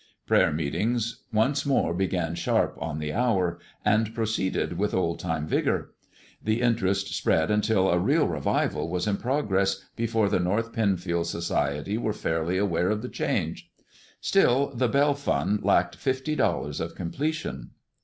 Prayer meetings once more began sharp on the hour, and proceeded with old time vigor. The interest spread until a real revival was in progress before the North Penfield Society were fairly aware of the change. Still the "bell fund" lacked fifty dollars of completion.